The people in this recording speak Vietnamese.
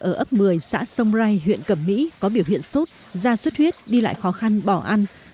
ở ấp một mươi xã sông rai huyện cẩm mỹ có biểu hiện sốt da xuất huyết đi lại khó khăn bỏ ăn